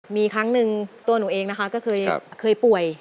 มีครั้งหนึ่งตัวหนูเองนะคะก็เคยป่วย